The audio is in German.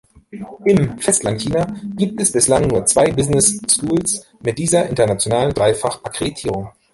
Im Festlandchina gibt es bislang nur zwei Business Schools mit dieser internationalen Dreifach-Akkreditierung.